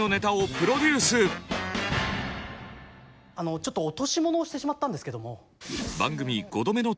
ちょっと落とし物をしてしまったんですけども。